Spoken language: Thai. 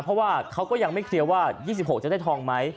เพราะว่าเขาก็ยังไม่เคลียร์ว่า๒๖จะได้ทองไหม